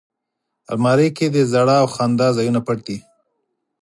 الماري کې د ژړا او خندا ځایونه پټ دي